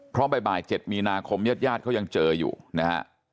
เพราะบ่าย๗มีนาคมญาติญาติเขายังเจออยู่นะฮะ